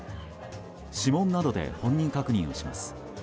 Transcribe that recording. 指紋などで本人確認をします。